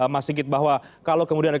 mas ikit bahwa kalau kemudian ada